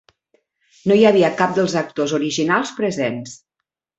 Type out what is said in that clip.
No hi havia cap dels actors originals presents.